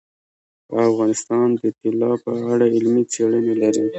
افغانستان د طلا په اړه علمي څېړنې لري.